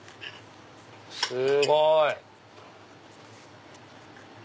すごい！